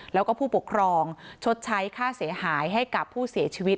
แล้วก็ผู้ปกครองชดใช้ค่าเสียหายให้กับผู้เสียชีวิต